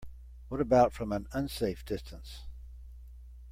What about from an unsafe distance?